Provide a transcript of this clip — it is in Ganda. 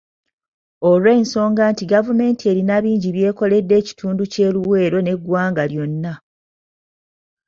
Olw'ensonga nti gavumenti erina bingi by'ekoledde ekitundu ky'e Luweero n'eggwanga lyonna.